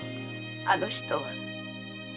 あの人は。